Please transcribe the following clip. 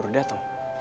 apakah ini cinta